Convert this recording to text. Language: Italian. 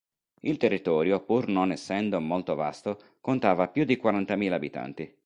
Il territorio, pur non essendo molto vasto, contava più di quarantamila abitanti.